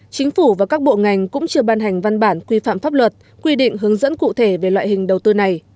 chính phủ và các bộ ngành cũng chưa ban hành văn bản quy phạm pháp luật quy định hướng dẫn cụ thể về loại hình đầu tư này